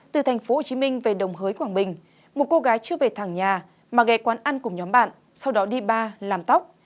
từ thành phố hồ chí minh về đồng hới quảng bình một cô gái chưa về thẳng nhà mà ghẹt quán ăn cùng nhóm bạn sau đó đi bar làm tóc